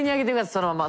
そのまま。